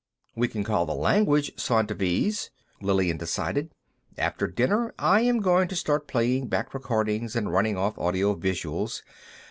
"We can call the language Svantovese," Lillian decided. "After dinner, I am going to start playing back recordings and running off audiovisuals.